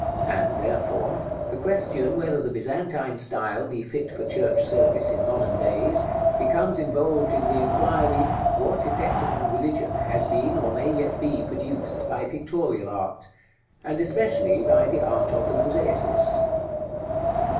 And, therefore, the question whether the Byzantine style be fit for church service in modern days, becomes involved in the inquiry, what effect upon religion has been or may yet be produced by pictorial art, and especially by the art of the mosaicist?